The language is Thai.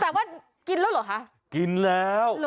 แต่ว่ากินแล้วเหรอคะกินแล้ว